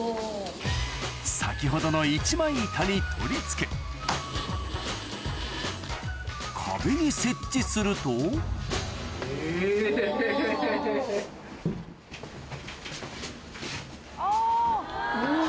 先ほどの一枚板に取り付け壁に設置するとおぉ。